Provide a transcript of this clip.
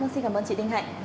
xin cảm ơn chị đinh hạnh